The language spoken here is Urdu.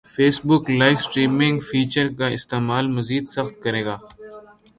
فیس بک لائیو سٹریمنگ فیچر کا استعمال مزید سخت کریگا